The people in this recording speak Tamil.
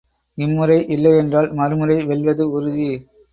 இம்முறை இல்லையென்றால் மறுமுறை வெல்வது உறுதி.